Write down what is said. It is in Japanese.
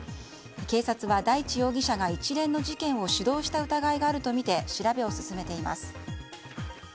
警察は、大地容疑者が一連の事件を主導した疑いがあるとみて調べを進めています。